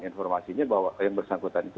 informasinya bahwa yang bersangkutan itu